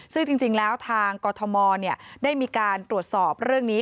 ซึ่งจริงแล้วทางกรทมได้มีการตรวจสอบเรื่องนี้